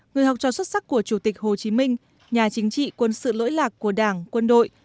người học trò xuất sắc của chủ tịch hồ chí minh nhà chính trị quân sự lỗi lạc của đảng quân đội